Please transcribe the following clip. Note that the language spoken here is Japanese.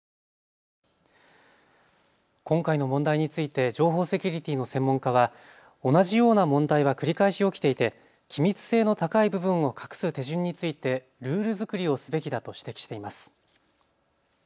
今回の問題について情報セキュリティーの専門家は同じような問題は繰り返し起きていて機密性の高い部分を隠す手順についてルール作りをすべきだと指摘しています。